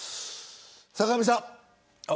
坂上さん。